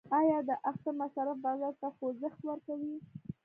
آیا د اختر مصارف بازار ته خوځښت ورکوي؟